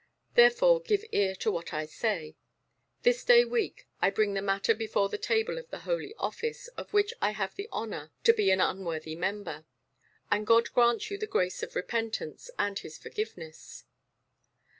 Therefore give ear to what I say. This day week I bring the matter before the Table of the Holy Office, of which I have the honour to be an unworthy member. And God grant you the grace of repentance, and his forgiveness."